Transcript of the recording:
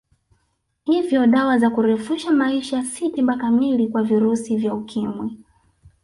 Hivyo dawa za kurefusha maisha si tiba kamili kwa virusi vya Ukimwi